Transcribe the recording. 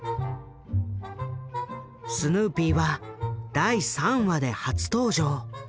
スヌーピーは第３話で初登場。